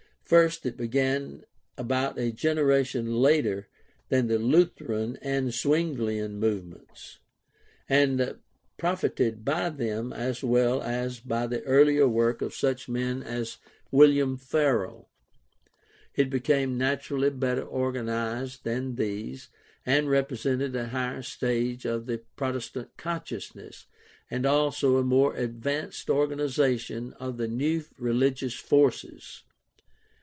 First, it began about a generation later than the Lutheran and Zwinglian movements and profited by them as well as by the earlier work of such men as William Farel; it became naturally better organized than these and represented a higher stage of the Protestant consciousness and also a more advanced organization of the new religious forces.